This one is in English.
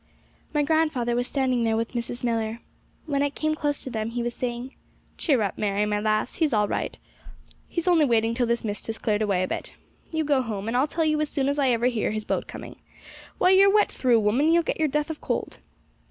My grandfather was standing there with Mrs. Millar. When I came close to them he was saying, 'Cheer up, Mary, my lass; he's all right; he's only waiting till this mist has cleared away a bit. You go home, and I'll tell you as soon as ever I hear his boat coming. Why, you're wet through, woman; you'll get your death of cold!'